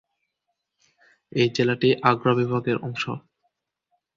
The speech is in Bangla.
এই জেলাটি আগ্রা বিভাগের অংশ।